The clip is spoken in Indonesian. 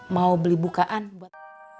mau beli bukaan buat